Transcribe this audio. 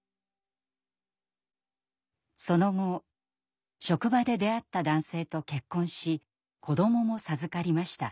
その後職場で出会った男性と結婚し子どもも授かりました。